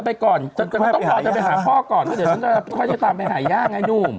พ่อเธอมาไปตอนก่อน